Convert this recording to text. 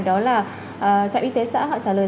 đó là trại y tế xã họ trả lời